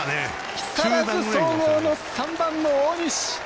木更津総合の３番の大西！